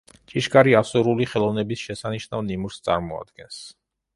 ჭიშკარი ასურული ხელოვნების შესანიშნავ ნიმუშს წარმოადგენს.